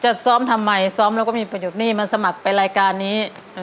ซ้อมทำไมซ้อมแล้วก็มีประโยชน์นี่มาสมัครไปรายการนี้